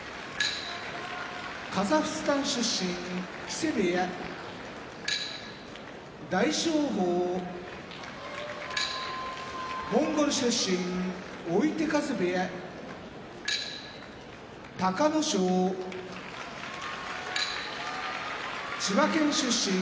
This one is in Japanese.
カザフスタン出身木瀬部屋大翔鵬モンゴル出身追手風部屋隆の勝千葉県出身